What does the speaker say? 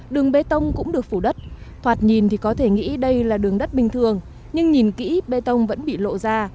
đường bê tông cũng được phủ đất thoạt nhìn thì có thể nghĩ đây là đường đất bình thường nhưng nhìn kỹ bê tông vẫn bị lộ ra